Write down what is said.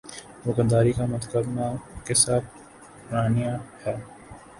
وہ غداری کا مقدمہ قصۂ پارینہ ہے۔